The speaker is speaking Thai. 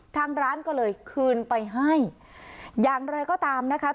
ทางร้านก็เลยคืนไปให้อย่างไรก็ตามนะคะ